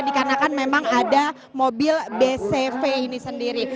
dikarenakan memang ada mobil bcv ini sendiri